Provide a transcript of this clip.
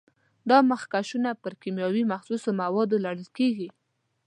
دا مخکشونه پر کیمیاوي مخصوصو موادو لړل کېږي.